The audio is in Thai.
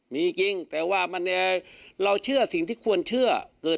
มีจริงแต่ว่าเราเชื่อสิ่งที่ควรเชื่อเกิด